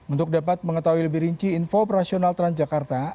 untuk dapat mengetahui lebih rinci info operasional transjakarta